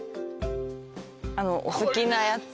あお好きなやつ